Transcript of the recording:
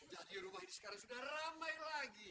jadi rumah ini sekarang sudah ramai lagi